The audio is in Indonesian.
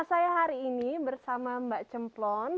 saya hari ini bersama mbak cemplon